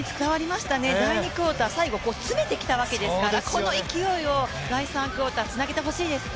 第２クオーター、最後、詰めてきたわけですから、この勢いを第３クオーター、つなげてほしいです。